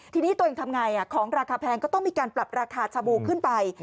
ทีนี้ตัวเองทำไงของราคาแพงก็ต้องมีการปรับราคาชาบูขึ้นไป